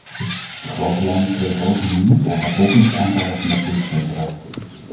De grote landen kregen ook een nieuw, op bevolkingsaantallen gebaseerd vetorecht.